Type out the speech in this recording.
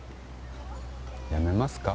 やめますか？